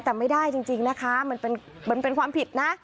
แต่ไม่ได้จริงนะคะมันเป็นความผิดนะ